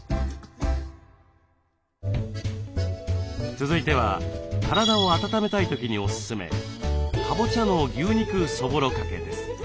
続いては体を温めたい時におすすめ「かぼちゃの牛肉そぼろかけ」です。